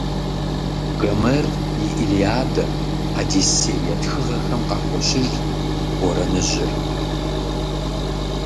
Гомер и «Илиада», «Одиссея» тхыгъэхэм къахощыж борэныжьыр.